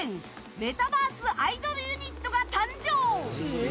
メタバースアイドルユニットが誕生。